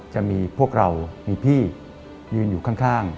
จะมีพวกเรามีพี่ยืนอยู่ข้าง